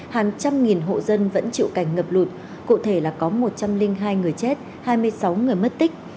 hàng trăm nghìn hộ dân vẫn chịu cảnh ngập lụt cụ thể là có một trăm linh hai người chết hai mươi sáu người mất tích